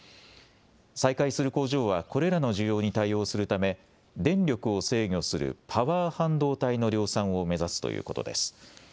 再開する工場はこれらの需要に対応するため電力を制御するパワー半導体の量産を目指すということです。